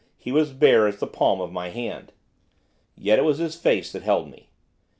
he was bare as the palm of my hand. Yet it was his face that held me.